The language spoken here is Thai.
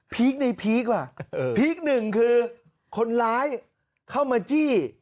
ในพีคว่ะพีคหนึ่งคือคนร้ายเข้ามาจี้